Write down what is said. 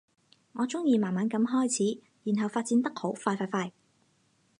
我鍾意慢慢噉開始，然後發展得好快快快